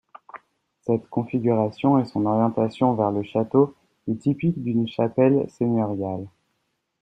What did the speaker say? Cette configuration et son orientation vers le château est typique d'une chapelle seigneuriale.